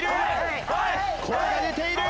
声が出ている！